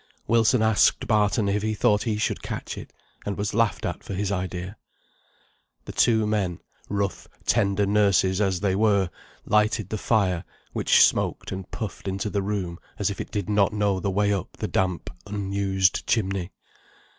Wilson asked Barton if he thought he should catch it, and was laughed at for his idea. The two men, rough, tender nurses as they were, lighted the fire, which smoked and puffed into the room as if it did not know the way up the damp, unused chimney.